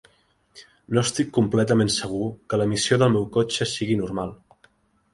No estic completament segur que l'emissió del meu cotxe sigui normal.